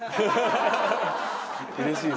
うれしい！